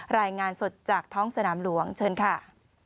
รายงานสดจากท้องสนามหลวงเชิญค่ะ